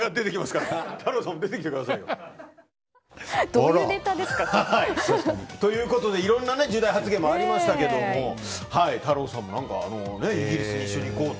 どういうネタですか？ということで、いろんな重大発言もありましたけども太郎さんもイギリスに一緒に行こうって。